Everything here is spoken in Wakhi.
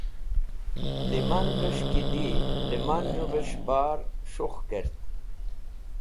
Lẽmanves̃h ki di lẽmanrẽves̃h bar shukh k̃aht.